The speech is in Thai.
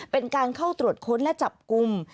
เป็นการเข้าตรวจค้นและจับกลุ่ม